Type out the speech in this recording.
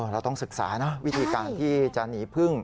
เราต้องศึกษานะวิธีการที่จะหนีพึ่ง